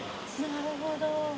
なるほど。